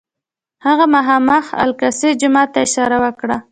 هغه مخامخ الاقصی جومات ته اشاره وکړه.